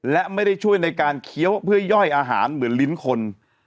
และไม่ได้ช่วยในการเคี้ยวเพื่อย่อยอาหารเหมือนลิ้นคน